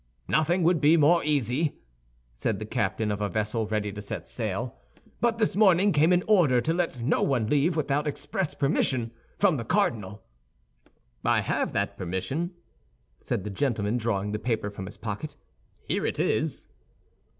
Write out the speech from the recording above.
"Nothing would be more easy," said the captain of a vessel ready to set sail, "but this morning came an order to let no one leave without express permission from the cardinal." "I have that permission," said the gentleman, drawing the paper from his pocket; "here it is."